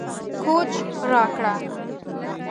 کوچ راکړه